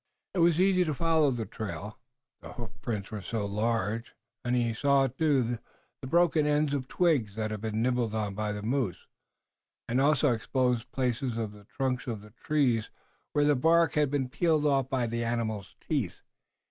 It was easy to follow the trail, the hoof prints were so large, and he soon saw, too, the broken ends of twigs that had been nibbled by the moose, and also exposed places on the trunks of trees where the bark had been peeled off by the animal's teeth.